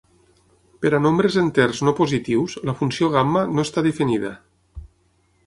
Per a nombres enters no positius, la funció gamma no està definida.